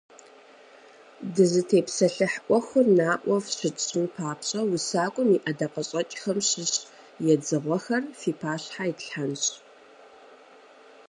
Дызытепсэлъыхь Ӏуэхур наӀуэ фщытщӀын папщӀэ усакӀуэм и ӀэдакъэщӀэкӀхэм щыщ едзыгъуэхэр фи пащхьэ итлъхьэнщ.